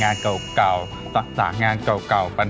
แม่บ้านประจันบัน